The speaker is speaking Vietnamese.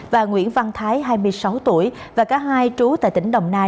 và nguyễn văn thái hai mươi sáu tuổi và cả hai trú tại tỉnh đồng nai